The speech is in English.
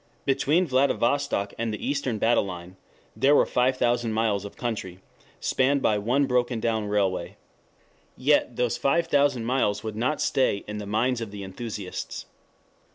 Between Vladivostok and the eastern battleline there were five thousand miles of country, spanned by one broken down railway. Yet those five thousand miles would not stay in the minds of the enthusiasts.